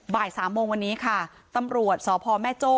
บ่ายสามโมงวันนี้ค่ะตำรวจสพแม่โจ้